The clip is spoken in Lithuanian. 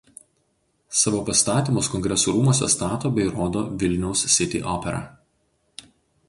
Savo pastatymus Kongresų rūmuose stato bei rodo Vilnius City Opera.